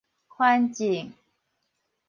權證